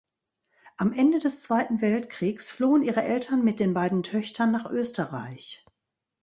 Am Ende des Zweiten Weltkriegs flohen ihre Eltern mit den beiden Töchtern nach Österreich.